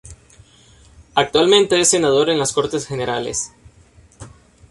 Actualmente es Senador en las Cortes Generales.